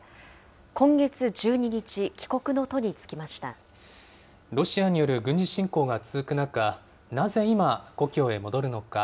今月１２日、帰国の途に就きましロシアによる軍事侵攻が続く中、なぜ今、故郷へ戻るのか。